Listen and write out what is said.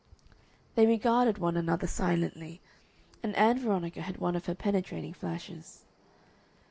They regarded one another silently, and Ann Veronica had one of her penetrating flashes.